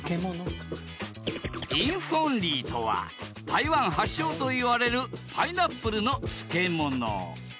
蔭鳳梨とは台湾発祥といわれるパイナップルの漬物。